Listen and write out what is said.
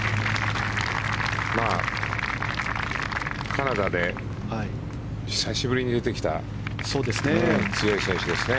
カナダで久しぶりに出てきた強い選手ですね。